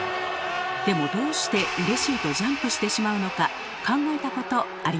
でもどうしてうれしいとジャンプしてしまうのか考えたことありますか？